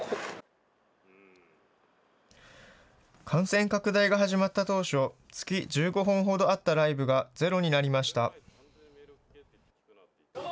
感染拡大が始まった当初、月１５本ほどあったライブがゼロになりました。